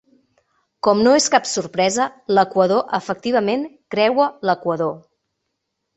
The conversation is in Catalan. Com no és cap sorpresa, l'equador efectivament creua l'Equador.